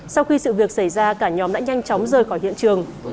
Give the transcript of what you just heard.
sau khi sự việc xảy ra cả nhóm đã nhanh chóng rời khỏi hiện trường